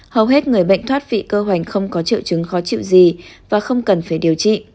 hầu hết người bệnh thoát vị cơ hoành không có triệu chứng khó chịu gì và không cần phải điều trị